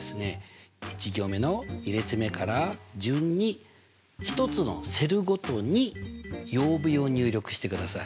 １行目の２列目から順に一つのセルごとに「曜日」を入力してください。